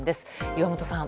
岩本さん。